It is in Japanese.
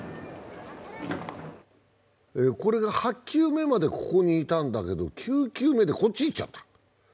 ８球目までここにいたんだけど９球目から、こっちに行っちゃった。